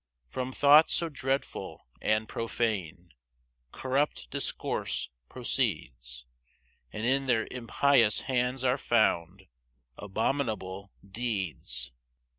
2 From thoughts so dreadful and profane Corrupt discourse proceeds; And in their impious hands are found Abominable deeds.